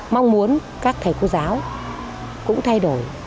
mong muốn các thầy cô giáo cũng thay đổi